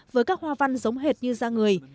với các hoa văn giống hệt như da người